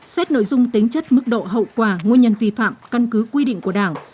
xét nội dung tính chất mức độ hậu quả nguyên nhân vi phạm căn cứ quy định của đảng